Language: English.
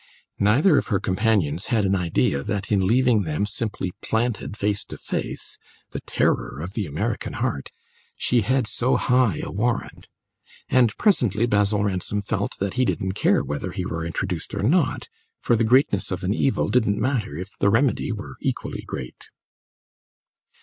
Neither of her companions had an idea that in leaving them simply planted face to face (the terror of the American heart) she had so high a warrant; and presently Basil Ransom felt that he didn't care whether he were introduced or not, for the greatness of an evil didn't matter if the remedy were equally great.